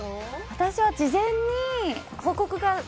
私は事前に報告が。